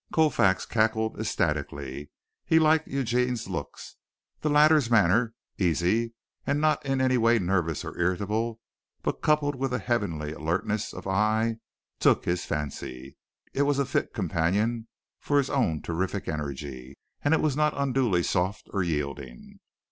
Colfax cackled ecstatically. He liked Eugene's looks. The latter's manner, easy and not in any way nervous or irritable but coupled with a heavenly alertness of eye, took his fancy. It was a fit companion for his own terrific energy, and it was not unduly soft or yielding.